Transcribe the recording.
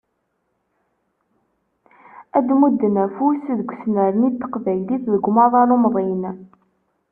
Ad d-mudden afus deg usnerni n teqbaylit deg umaḍal umdin.